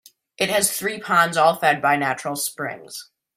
It has three ponds all fed by natural springs.